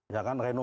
ya kan renomasi